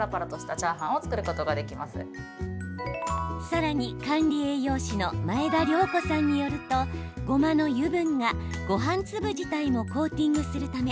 さらに管理栄養士の前田量子さんによるとごまの油分がごはん粒自体もコーティングするため